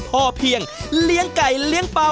พ่อเพียงเลี้ยงไก่เลี้ยงปลา